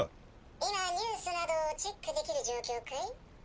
今ニュース等をチェックできる状況かい？